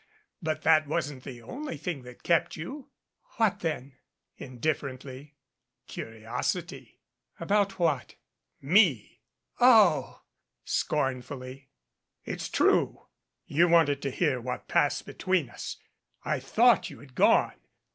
But that wasn't the only thing that kept you " "What then?" indifferently. "Curiosity." 240 GREAT PAN IS ftEAD "About what?" "Me." "Oh!" scornfully. "It's true. You wanted to hear what passed between us. I thought you had gone.